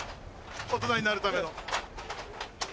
大人になるための。